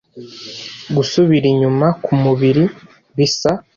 Gusubira inyuma kumubiri bisa